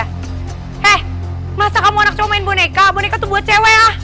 eh masa kamu anak cowok main boneka boneka tuh buat cewe ah